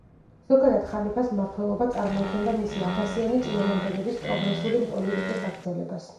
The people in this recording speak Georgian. ზოგადად, ხალიფას მმართველობა წარმოადგენდა მისი აბასიანი წინამორბედების პროგრესული პოლიტიკის გაგრძელებას.